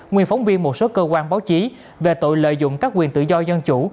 nguyên phóng viên một số cơ quan báo chí về tội lợi dụng các quyền tự do dân chủ